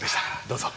どうぞ。